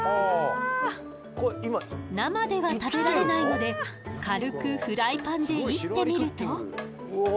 生では食べられないので軽くフライパンで煎ってみると。